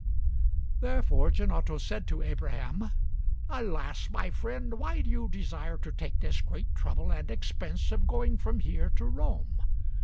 Therefore Gianotto said to Abraham: "Alas, my friend, why do you desire to take this great trouble and expense of going from here to Rome?